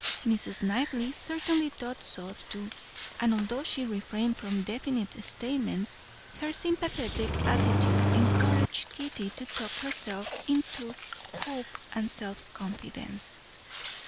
Mrs. Knightley certainly thought so too, and although she refrained from definite statements, her sympathetic attitude encouraged Kitty to talk herself into hope and self confidence.